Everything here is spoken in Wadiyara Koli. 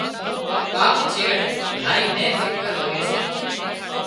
ٻاپ چيڙ ڀائي نين فڪر هوئي سي